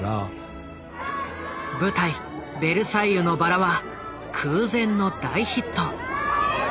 「ベルサイユのばら」は空前の大ヒット。